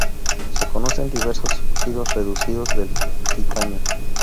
Se conocen diversos óxidos reducidos del titanio.